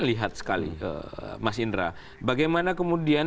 lihat sekali mas indra bagaimana kemudian